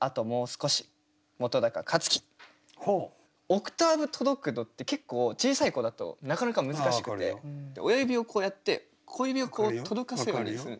オクターブ届くのって結構小さい子だとなかなか難しくて親指をこうやって小指をこう届かせるようにするんです。